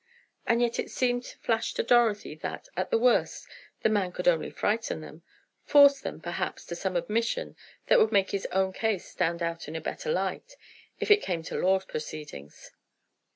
And yet it seemed to flash to Dorothy that, at the worst, the man could only frighten them—force them, perhaps, to some admission that would make his own case stand out in a better light, if it came to law procedings.